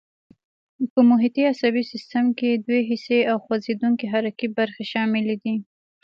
په محیطي عصبي سیستم کې دوې حسي او خوځېدونکي حرکي برخې شاملې دي.